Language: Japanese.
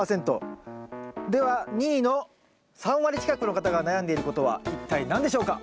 では２位の３割近くの方が悩んでいることは一体何でしょうか？